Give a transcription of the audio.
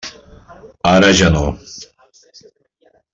Ara ja no.